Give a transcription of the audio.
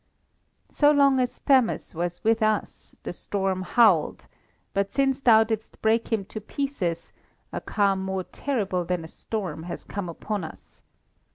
So long as Thammus was with us, the storm howled, but since thou didst break him to pieces a calm more terrible than a storm has come upon us.